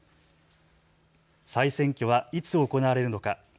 再選挙はいつ行われるのか。